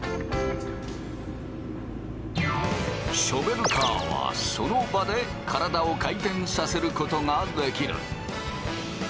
ショベルカーはその場で体を回転させることができる。